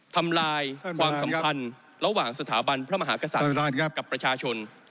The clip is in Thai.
ทำลายความสัมพันธ์ระหว่างสถาบันพระมหากษัตริย์กับประชาชน